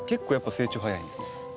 成長は早いですね。